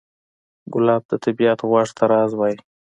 ګلاب د طبیعت غوږ ته راز وایي.